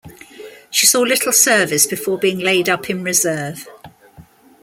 She saw little service before being laid up in reserve.